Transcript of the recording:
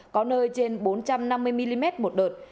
có nơi trên bốn trăm năm mươi mm một đợt